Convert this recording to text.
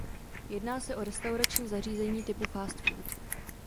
Jedná se o restaurační zařízení typu fast food.